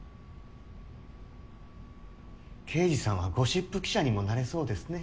刑事さんはゴシップ記者にもなれそうですね。